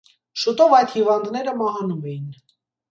Շուտով այդ հիվանդները մահանում էին։